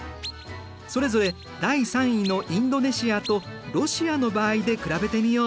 それぞれ第３位のインドネシアとロシアの場合で比べてみよう。